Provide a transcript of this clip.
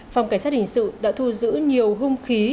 phòng cảnh sát hình sự đã thu giữ nhiều hung khí